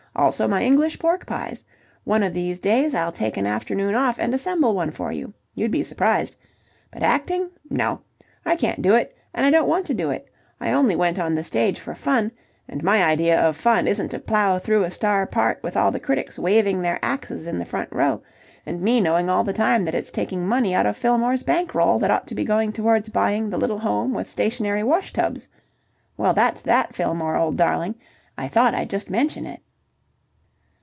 Also my English pork pies! One of these days I'll take an afternoon off and assemble one for you. You'd be surprised! But acting no. I can't do it, and I don't want to do it. I only went on the stage for fun, and my idea of fun isn't to plough through a star part with all the critics waving their axes in the front row, and me knowing all the time that it's taking money out of Fillmore's bankroll that ought to be going towards buying the little home with stationary wash tubs... Well, that's that, Fillmore, old darling. I thought I'd just mention it."